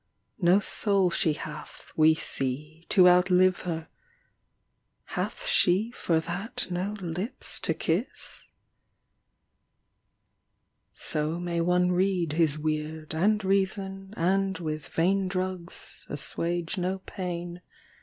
No soul she hath, we see, to outlive her; Hath she for that no lips to kiss? So may one read his weird, and reason, And with vain drugs assuage no pain.